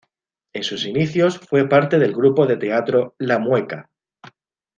En sus inicios fue parte del grupo de teatro "La Mueca".